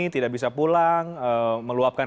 tidak bisa pulang meluapkan